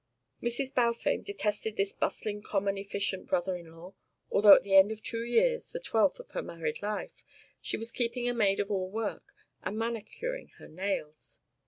Mrs. Balfame detested this bustling common efficient brother in law, although at the end of two years, the twelfth of her married life, she was keeping a maid of all work and manicuring her nails.